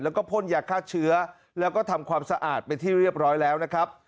แล้วก็พ่นยาฆ่าเชื้อแล้วก็ทำความสะอาดเป็นที่เรียบร้อยแล้วนะครับ